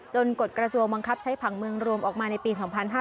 กฎกระทรวงบังคับใช้ผังเมืองรวมออกมาในปี๒๕๕๙